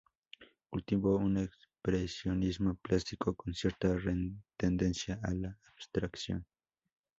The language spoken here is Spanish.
Cultivó un expresionismo plástico con cierta tendencia a la abstracción.